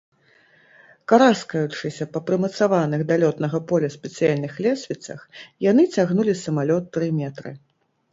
Караскаючыся па прымацаваных да лётнага поля спецыяльных лесвіцах, яны цягнулі самалёт тры метры.